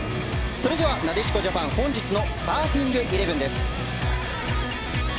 それではなでしこジャパン本日のスターティングイレブンです。